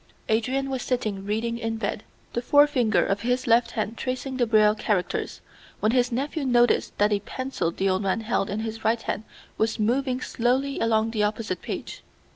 Adrian was sitting reading in bed, the forefinger of his left hand tracing the Braille characters, when his nephew noticed that a pencil the old man held in his right hand was moving slowly along the opposite page.